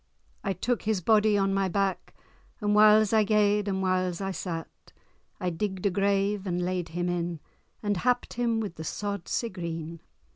I took his body on my back, And whiles I gaed, and whiles I sat; I digg'd a grave, and laid him in, And happ'd him with the sod sae green.